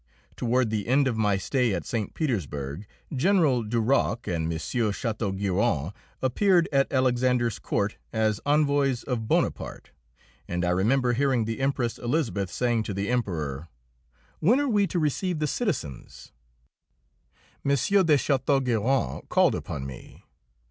Toward the end of my stay at St. Petersburg General Duroc and M. de Châteaugiron appeared at Alexander's court as envoys of Bonaparte, and I remember hearing the Empress Elisabeth saying to the Emperor, "When are we to receive the citizens?" M. de Châteaugiron called upon me.